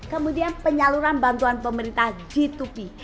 kemudian penyaluran bantuan pemerintah g dua p